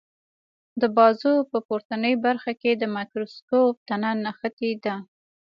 د بازو په پورتنۍ برخه کې د مایکروسکوپ تنه نښتې ده.